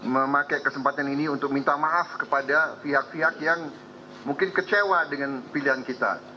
memakai kesempatan ini untuk minta maaf kepada pihak pihak yang mungkin kecewa dengan pilihan kita